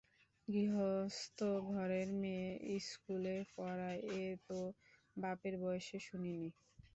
গৃহস্থ ঘরের মেয়ে ইস্কুলে পড়ায় এ তো বাপের বয়সে শুনি নি।